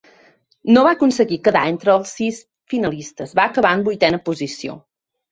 No va aconseguir quedar entre els sis finalistes, va acabar en vuitena posició.